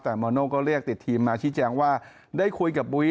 แต่มาโน่ก็เรียกติดทีมมาชี้แจงว่าได้คุยกับบุ้ย